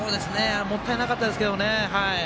もったいなかったですけど。